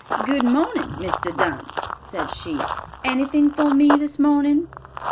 "Good morning, Mr. Dunn!" said she. "Anything for me this morning?"